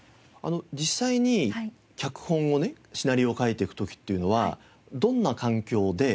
実際に脚本をねシナリオを書いていく時っていうのはどんな環境で？